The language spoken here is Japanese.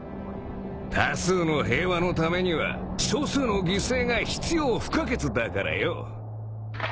多数の平和のためには少数の犠牲が必要不可欠だからよぉ。